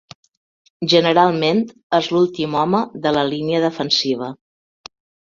Generalment és l'últim home de la línia defensiva.